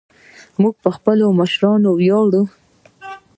موږ په خپلو مشرانو ویاړو